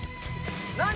何？